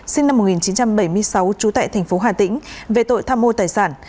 sinh năm một nghìn chín trăm bảy mươi sáu trú tại thành phố hà tĩnh về tội tham mô tài sản